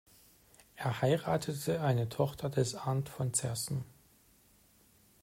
Er heiratete eine Tochter des Arnd von Zerssen.